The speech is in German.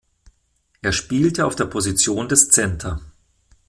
Er spielte auf der Position des Center.